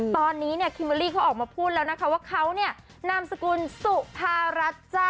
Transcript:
ตอนนี้คิมเบอรี่เค้าออกมาพูดเค้าเนี่ยนำสกุลสุภารัช